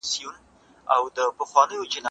زه پرون سبزیجات تيار کړل،